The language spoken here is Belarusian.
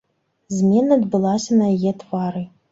Змена адбылася на яе твары.